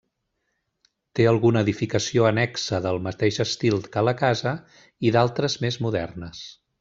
Té alguna edificació annexa del mateix estil que la casa i d'altres més modernes.